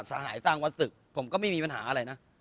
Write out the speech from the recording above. สหายสร้างวัดศึกผมก็ไม่มีปัญหาอะไรนะ